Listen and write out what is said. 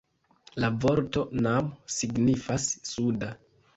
La vorto "nam" signifas 'suda'.